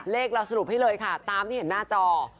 เราสรุปให้เลยค่ะตามที่เห็นหน้าจอ